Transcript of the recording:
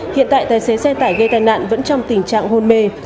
hiện tại tài xế xe tải gây tai nạn vẫn trong tình trạng hôn mê